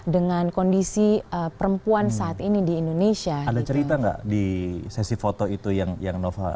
dengan kondisi perempuan saat ini di indonesia ada cerita nggak di sesi foto itu yang yang nova